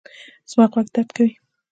زما غوږ درد کوي